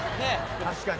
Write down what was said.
確かに。